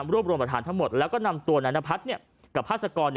รวมรวมประธานทั้งหมดแล้วก็นำตัวนายนพัฒน์กับพาสกร